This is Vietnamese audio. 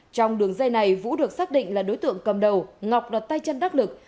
trong đường dây này vũ được xác định là đối tượng cầm đầu ngọc đặt tay chân đắc lực